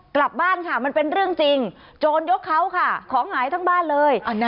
กลับบ้านค่ะมันเป็นเรื่องจริงโจรยกเขาค่ะของหายทั้งบ้านเลย